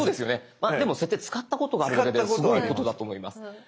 まあでも「設定」使ったことがあるだけですごいことだと思います。